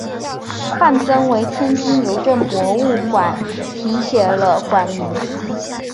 范曾为天津邮政博物馆题写了馆名。